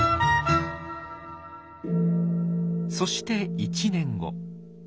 そして１年後。